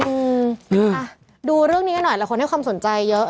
อืมอ่ะดูเรื่องนี้กันหน่อยหลายคนให้ความสนใจเยอะ